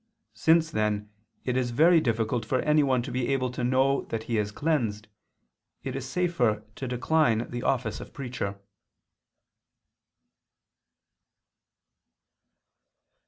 Since, then, it is very difficult for anyone to be able to know that he is cleansed, it is safer to decline the office of preacher."